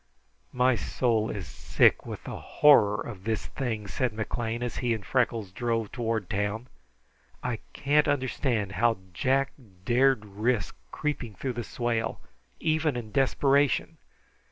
"My soul is sick with the horror of this thing," said McLean, as he and Freckles drove toward town. "I can't understand how Jack dared risk creeping through the swale, even in desperation.